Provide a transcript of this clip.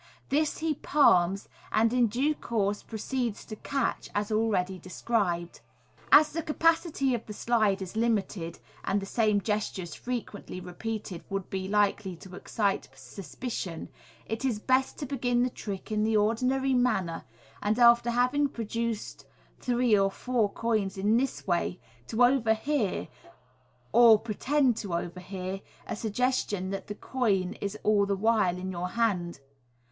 This he palms, and in due course proceeds to catch, as already described. As the capacity of the slide is limited, and the same gestures frequently repeated would be likely to excite suspicion, it is best to begin the trick in the ordinary manner, and after having product d three or four coins in this way, to overhear, or pretend to overhear, a suggestion that the coin is all the while in your hand.